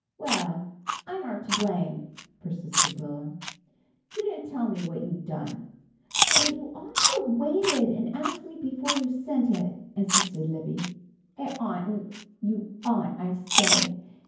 "Well, I aren't to blame," persisted Will'm, "you didn't tell me what you'd done." "But you ought to have waited and asked me before you sent it," insisted Libby. "I oughtn't!" "You ought, I say!"